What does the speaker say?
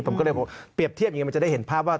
ผมก็เลยเปรียบเทียบอย่างนี้มันจะได้เห็นภาพว่า